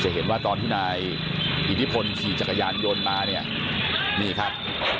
เห็นว่าตอนที่นายอิทธิพลขี่จักรยานยนต์มาเนี่ยนี่ครับ